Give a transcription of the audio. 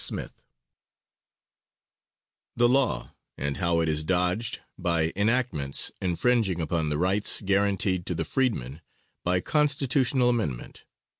SMITH The law and how it is dodged by enactments infringing upon the rights guaranteed to the freedmen by constitutional amendment.